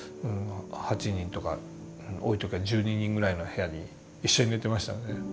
８人とか多い時は１２人ぐらいの部屋に一緒に寝てましたので。